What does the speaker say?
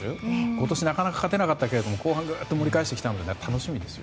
今年はなかなか勝てなかったけど後半盛り返したので楽しみです。